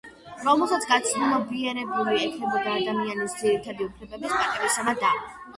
რომელსაც გაცნობიერებული ექნება ადამიანის ძირითადი უფლებების პატივისცემა და